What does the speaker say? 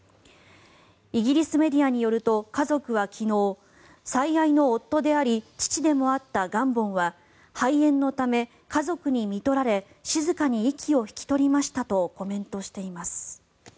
イギリスメディアによると家族は昨日最愛の夫であり父でもあったガンボンは肺炎のため家族にみとられ静かに息を引き取りましたとコメントしています。